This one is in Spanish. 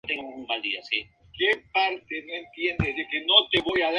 Posteriormente tuvo un "remake" para Super Famicom que solo fue editado en Japón.